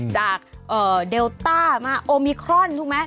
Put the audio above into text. จากเดลต้ามาโอมิครอนถูกไหม